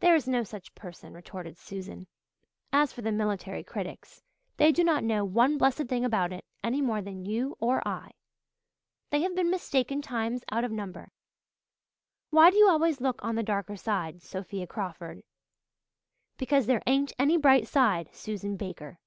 "There is no such person," retorted Susan. "As for the military critics, they do not know one blessed thing about it, any more than you or I. They have been mistaken times out of number. Why do you always look on the dark side, Sophia Crawford?" "Because there ain't any bright side, Susan Baker."